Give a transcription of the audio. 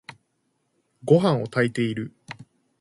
ごはんを炊いている。